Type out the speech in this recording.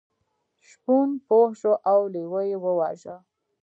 شپون پوه شو او لیوه یې وواژه.